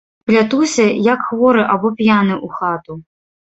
Плятуся, як хворы або п'яны, у хату.